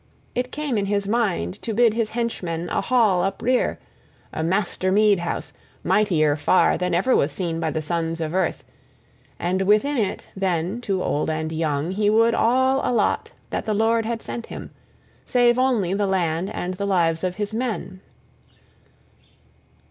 It came in his mind to bid his henchmen a hall uprear, a master mead house, mightier far than ever was seen by the sons of earth, and within it, then, to old and young he would all allot that the Lord had sent him, save only the land and the lives of his men.